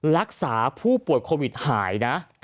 รักษาผู้ป่วยโควิดหายนะ